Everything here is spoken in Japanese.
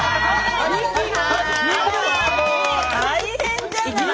もう大変じゃない！